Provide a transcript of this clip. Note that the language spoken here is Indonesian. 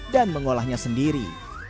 dan mengolahnya sendiri